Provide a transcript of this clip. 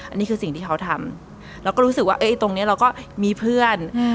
อันนี้คือสิ่งที่เขาทำเราก็รู้สึกว่าตรงนี้เราก็มีเพื่อน